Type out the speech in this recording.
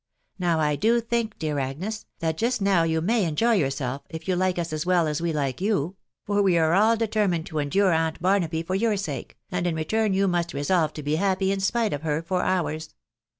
Now, I do think, dear Agnes, that just now you may enjoy yourself, if you like us as well as we like you, .... for we are all deter mined to endure aunt Barnaby for your sake, and in return you must resolve to be happy in spite of her for ours.